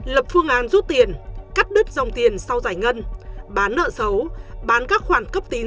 lập phương án rút tiền cắt đứt dòng tiền sau giải ngân bán nợ xấu bán các khoản cấp tín